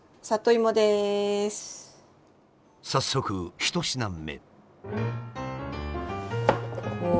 早速１品目。